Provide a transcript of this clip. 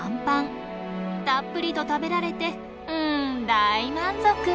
たっぷりと食べられてうん大満足。